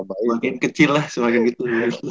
makin kecil lah semakin gitu